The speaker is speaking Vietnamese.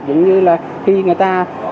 giống như là khi người ta